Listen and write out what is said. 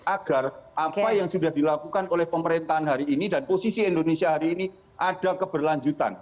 agar apa yang sudah dilakukan oleh pemerintahan hari ini dan posisi indonesia hari ini ada keberlanjutan